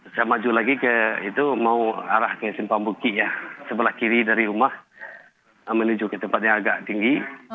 saya maju lagi ke itu mau arah ke simpambukti ya sebelah kiri dari rumah menuju ke tempat yang agak tinggi